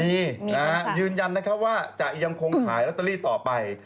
มียืนยันว่าจะยังคงขายล็อตเตอรี่ต่อไป